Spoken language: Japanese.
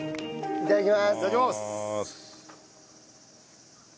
いただきます！